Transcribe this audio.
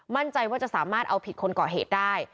มั่นใจว่าจะสามารถเอาผิดคนก่อเหตุได้